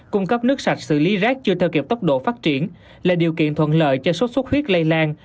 cung cấp nước sạch xử lý rác chưa theo kịp tốc độ phát triển là điều kiện thuận lợi cho sốt xuất huyết lây lan